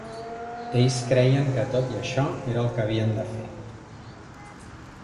Ells creien que, tot i això, era el que havien de fer.